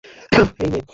হেই, মে।